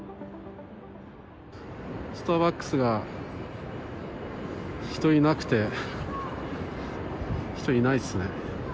スターバックスが、人いなくて、人いないっすね。